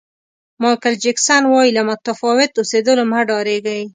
مایکل جکسن وایي له متفاوت اوسېدلو مه ډارېږئ.